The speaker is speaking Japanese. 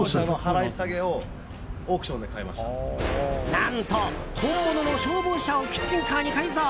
何と、本物の消防車をキッチンカーに改造。